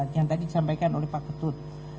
yang tadi disampaikan oleh pak ketut